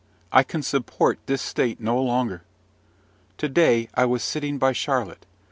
I can support this state no longer. To day I was sitting by Charlotte.